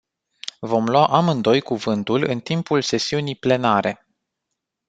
Vom lua amândoi cuvântul în timpul sesiunii plenare.